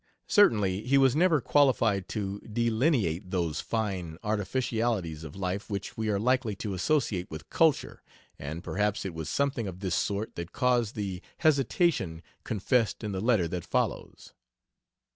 Certainly, he was never qualified to delineate those fine artificialities of life which we are likely to associate with culture, and perhaps it was something of this sort that caused the hesitation confessed in the letter that follows.